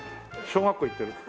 小学校行ってる。